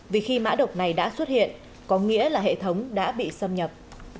vì khi mã độc này đã xuất hiện có nghĩa là hệ thống đã bị xâm nhập